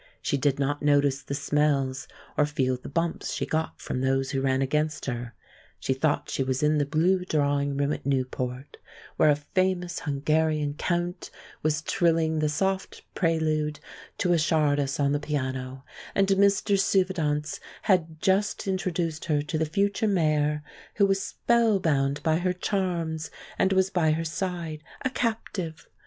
She did not notice the smells, or feel the bumps she got from those who ran against her. She thought she was in the blue drawing room at Newport, where a famous Hungarian count was trilling the soft prelude to a csárdás on the piano, and Mr. Stuyvesant had just introduced her to the future Mayor, who was spellbound by her charms, and was by her side, a captive.